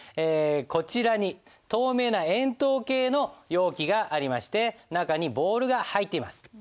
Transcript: こちらに透明な円筒形の容器がありまして中にボールが入っています。